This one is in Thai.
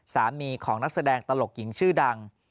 สามีของนักแสดงตลกหญิงชื่อดัง